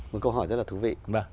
một câu hỏi rất là thú vị